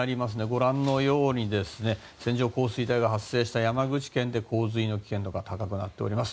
ご覧のように線状降水帯が発生した山口県で、洪水の危険度が高くなっております。